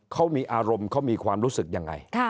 เขามีอารมณ์เขามีความรู้สึกยังไง